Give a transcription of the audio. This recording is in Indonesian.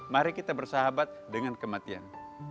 mari kita bersahabat dengan kematian